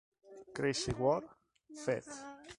Crazy World feat.